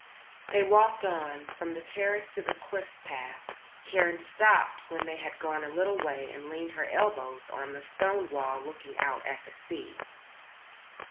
They walked on, from the terrace to the cliff path. Karen stopped when they had gone a little way and leaned her elbows on the stone wall looking out at the sea.